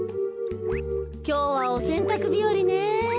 きょうはおせんたくびよりね。